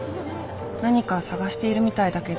何か探しているみたいだけど。